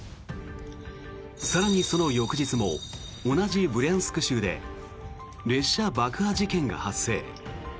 更にその翌日も同じブリャンスク州で列車爆破事件が発生。